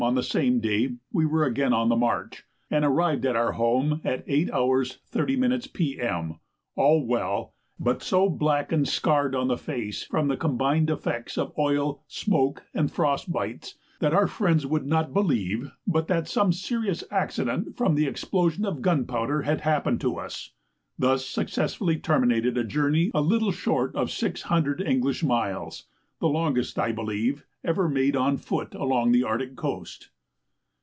on the same day we were again on the march, and arrived at our home at 8 h. 30 m. P.M. all well, but so black and scarred on the face from the combined effects of oil, smoke, and frost bites, that our friends would not believe but that some serious accident from the explosion of gunpowder had happened to us. Thus successfully terminated a journey little short of 600 English miles, the longest, I believe, ever made on foot along the Arctic coast.